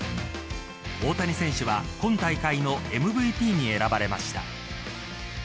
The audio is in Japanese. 大谷選手は今大会のＭＶＰに選ばれました。